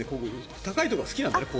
高いところが好きなんだね。